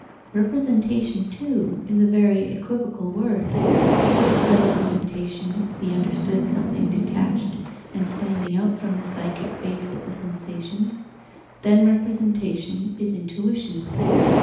"Representation," too, is a very equivocal word. If by representation be understood something detached and standing out from the psychic base of the sensations, then representation is intuition.